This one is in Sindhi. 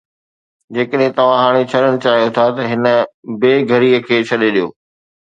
جيڪڏھن توھان ھاڻي ڇڏڻ چاھيو ٿا ته ھن بي گھريءَ کي ڇڏي ڏيو